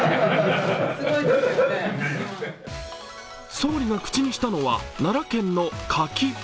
総理が口にしたのは奈良県の柿。